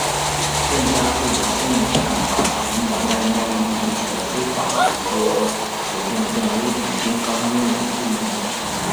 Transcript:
正加速的森林砍伐及鸟类贸易引起的非法捕捉活动正危害金刚鹦鹉的数目。